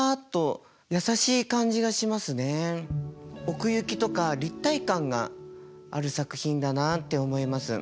奥行きとか立体感がある作品だなあって思います。